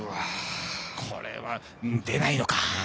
これは出ないのか。